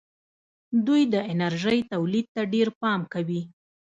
دوی د انرژۍ تولید ته ډېر پام کوي.